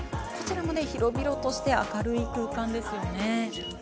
こちらも広々として明るい空間です。